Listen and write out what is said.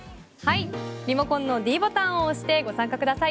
リモコンのｄボタンを押してご参加ください。